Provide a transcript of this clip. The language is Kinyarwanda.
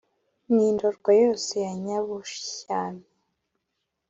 N'i Ndorwa yose ya Nyabushyami